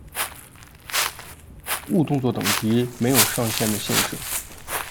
误动作等级没有上限的限制。